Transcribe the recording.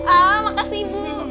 ah makasih ibu